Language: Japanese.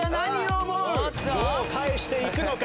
どう返していくのか？